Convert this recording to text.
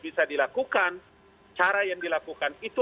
bisa dilakukan cara yang dilakukan itu